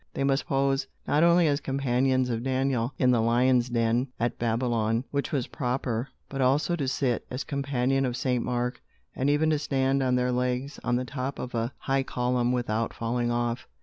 They must pose, not only as companions of Daniel, in the lions' den at Babylon, which was proper; but also to sit, as companion of St. Mark, and even to stand on their legs on the top of a high column, without falling off.